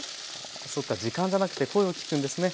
そっか時間じゃなくて声を聞くんですね